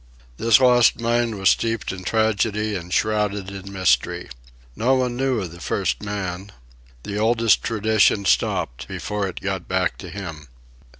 This lost mine was steeped in tragedy and shrouded in mystery. No one knew of the first man. The oldest tradition stopped before it got back to him.